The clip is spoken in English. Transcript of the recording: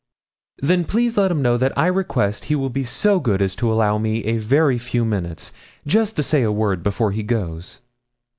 'Then please let him know that I request he will be so good as to allow me a very few minutes, just to say a word before he goes.'